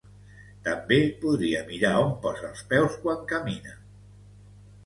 També podria mirar on posa els peus quan camina!